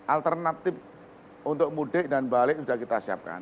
alternatif untuk mudik dan balik sudah kita siapkan